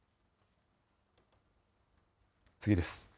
次です。